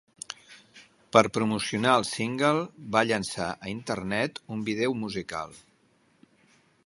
Per promocionar el single, va llençar a Internet un vídeo musical.